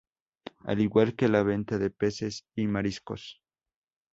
Al igual que la venta de peces y mariscos.